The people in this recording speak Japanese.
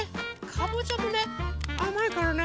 かぼちゃもねあまいからね。